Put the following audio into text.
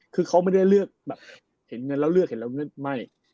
คือเขาไม่ได้เลือกแบบเห็นเงินแล้วเลือกเห็นแล้วไม่